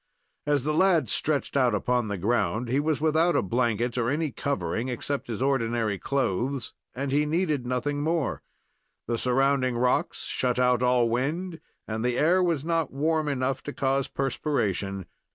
As the lad stretched out upon the ground, he was without a blanket, or any covering except his ordinary clothes; and he needed nothing more. The surrounding rocks shut out all wind, and the air was not warm enough to cause perspiration.